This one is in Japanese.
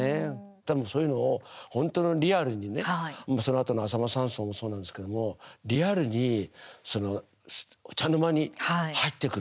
多分そういうのを本当のリアルにそのあとの、浅間山荘もそうなんですけれどもリアルに、お茶の間に入ってくる。